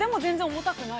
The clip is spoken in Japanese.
◆重たくない。